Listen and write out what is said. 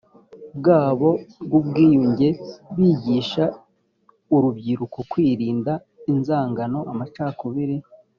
bwabo bw ubwiyunge bigisha urubyiruko kwirinda inzangano amacakubiri